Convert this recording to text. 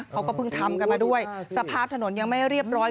เขาก็เพิ่งทำกันมาด้วยสภาพถนนยังไม่เรียบร้อย